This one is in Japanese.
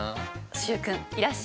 習君いらっしゃい！